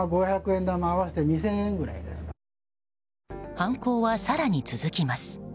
犯行は更に続きます。